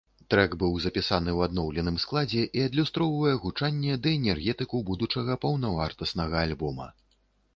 Трэк быў запісаны ў адноўленым складзе і адлюстроўвае гучанне ды энергетыку будучага паўнавартаснага альбома.